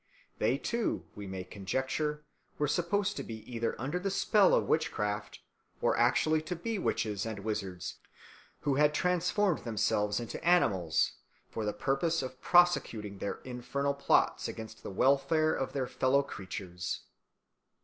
They, too, we may conjecture, were supposed to be either under the spell of witchcraft or actually to be the witches and wizards, who had transformed themselves into animals for the purpose of prosecuting their infernal plots against the welfare of their fellow creatures.